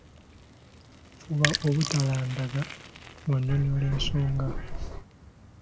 Fuba obutalandagga ng'onyonnyola ensonga.